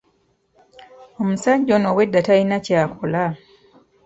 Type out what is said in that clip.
Omusajja ono obwedda talina ky'akola.